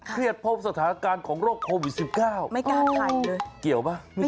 เครียดพบสถานการณ์ของโรคโฟวิสงัย๑๙